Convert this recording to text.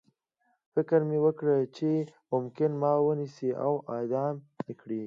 فکر مې وکړ چې ممکن ما ونیسي او اعدام مې کړي